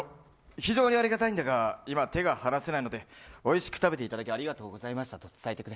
非常にありがたいんだが今、手が離せないのでおいしく食べていただきありがとうございましたと伝えてくれ。